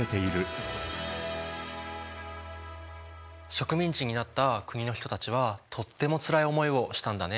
植民地になった国の人たちはとってもつらい思いをしたんだね。